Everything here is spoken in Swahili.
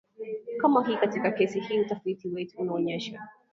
kama hii Katika kesi hii utafiti wetu unaonyesha